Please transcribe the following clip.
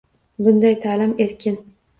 Bunday ta’lim erkin